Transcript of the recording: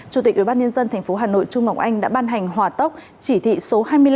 chủ tịch ubnd tp hà nội trung ngọc anh đã ban hành hòa tốc chỉ thị số hai mươi năm